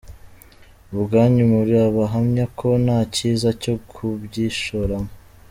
Ubwanyu muri abahamya ko nta cyiza cyo kubyishoramo.